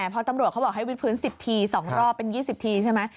พอตำรวจเขาบอกให้วิดพื้น๑๐ที๒รอบเป็น๒๐ทีใช่ไหม